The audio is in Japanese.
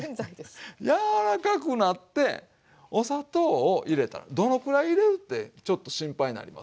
柔らかくなってお砂糖を入れたらどのくらい入れるってちょっと心配になります？